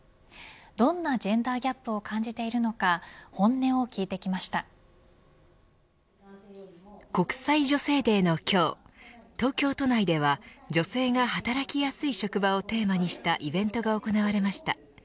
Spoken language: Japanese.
どんなジェンダー・ギャップを感じているのか国際女性デーの今日東京都内では女性が働きやすい職場をテーマにしたイベントが行われました。